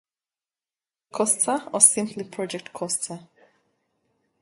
Coster or simply Project Coster.